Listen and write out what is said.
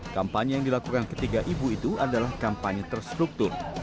kampanye yang dilakukan ketiga ibu itu adalah kampanye terstruktur